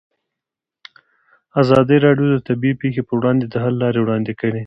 ازادي راډیو د طبیعي پېښې پر وړاندې د حل لارې وړاندې کړي.